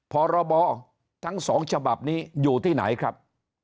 พรบทั้ง๒ฉบับนี้อยู่ที่ไหนครับ